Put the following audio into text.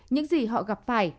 những gì họ gặp phải